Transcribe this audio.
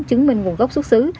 chứng minh nguồn gốc xuất xứ